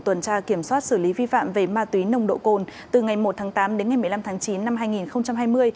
tuần tra kiểm soát xử lý vi phạm về ma túy nồng độ cồn từ ngày một tháng tám đến ngày một mươi năm tháng chín năm hai nghìn hai mươi